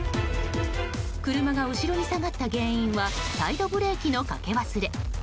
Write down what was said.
車が後ろに下がった原因はサイドブレーキのかけ忘れ。